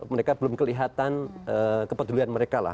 mereka belum kelihatan kepedulian mereka lah